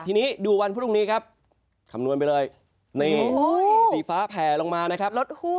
ทีนี้ดูวันพรุ่งนี้ครับคำนวณไปเลยนี่สีฟ้าแผ่ลงมานะครับ